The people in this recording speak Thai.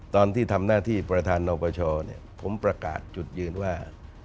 ตอนที่ทำหน้าที่ประธานนปชผมประกาศจุดยืนว่า